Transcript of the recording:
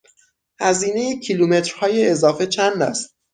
هزینه کیلومترهای اضافه چند است؟